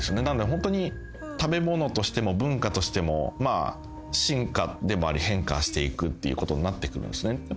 なのでホントに食べ物としても文化としても進化でもあり変化していくっていうことになってくるんですよね。